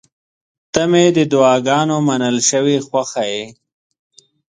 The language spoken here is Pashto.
• ته مې د دعاګانو منل شوې خوښه یې.